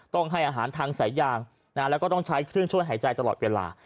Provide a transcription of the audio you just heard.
ต้องให้อาหารทางสายยางแล้วก็ต้องใช้เครื่องช่วยหายใจตลอดเวลา